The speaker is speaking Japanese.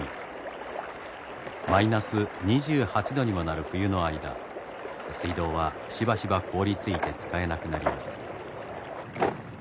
マイナス２８度にもなる冬の間水道はしばしば凍りついて使えなくなります。